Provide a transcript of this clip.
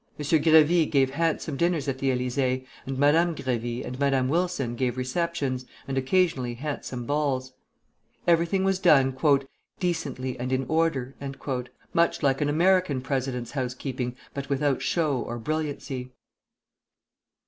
Gréevy gave handsome dinners at the Élysée, and Madame Grévy and Madame Wilson gave receptions, and occasionally handsome balls. Everything was done "decently and in order," much like an American president's housekeeping, but without show or brilliancy.